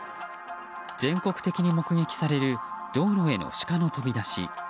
全国的に目撃される道路へのシカの飛び出し。